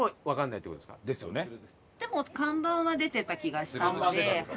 でも看板は出てた気がしたので。